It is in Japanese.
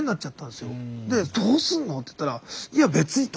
で「どうすんの？」って言ったら「いや別に」と。